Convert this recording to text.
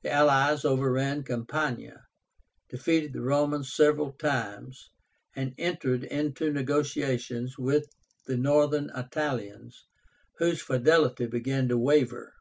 The allies overran Campania, defeated the Romans several times, and entered into negotiations with the Northern Italians, whose fidelity began to waver.